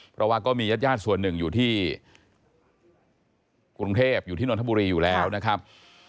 เพราะว่าก็มีญาติญาติส่วนหนึ่งอยู่ที่กรุงเทพอยู่ที่นนทบุรีอยู่แล้วนะครับ